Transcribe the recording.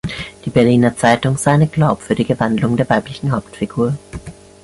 Die "Berliner Zeitung" sah eine glaubwürdige Wandlung der weiblichen Hauptfigur.